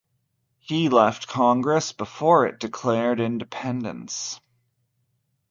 He left Congress before it declared independence.